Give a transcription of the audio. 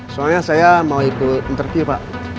soalnya saya mau ikut interview pak